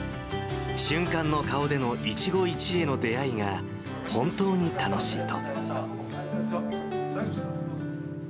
瞬間の顔での一期一会の出会いが、本当に楽しいと。